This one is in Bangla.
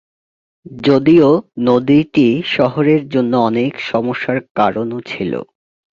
যদিও নদীটি শহরের জন্য অনেক সমস্যার কারণও ছিল।